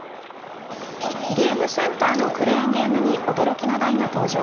ゲームセンターのクレーンゲームに驚きの台が登場。